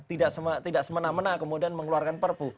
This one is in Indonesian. tidak semena mena kemudian mengeluarkan perpu